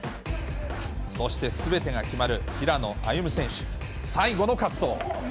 そしてすべてが決まる平野歩夢選手、最後の滑走。